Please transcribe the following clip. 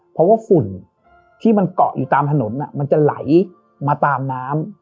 เพราะว่าฝุ่นที่มันเกาะอยู่ตามถนนมันจะไหลมาตามน้ำ